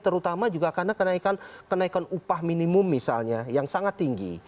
terutama juga karena kenaikan upah minimum misalnya yang sangat tinggi